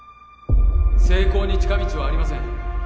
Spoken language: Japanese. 成功に近道はありません